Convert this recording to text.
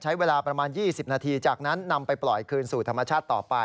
ใช้เวลาประมาณ๒๐นาทีจากนั้นนำไปปล่อยคืนสู่ธรรมชาติต่อไป